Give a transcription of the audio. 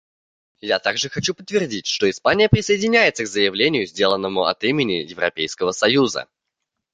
Я также хочу подтвердить, что Испания присоединяется к заявлению, сделанному от имени Европейского союза.